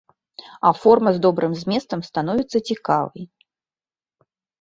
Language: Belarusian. А форма з добрым зместам становіцца цікавай.